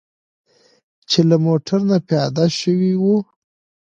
چې له موټر نه پیاده شوي وو.